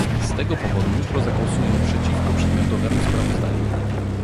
Z tego powodu jutro zagłosuję przeciwko przedmiotowemu sprawozdaniu